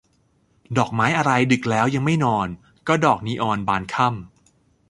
ดอกไม้อะไรดึกแล้วยังไม่นอน ก็ดอกนีออนบานค่ำ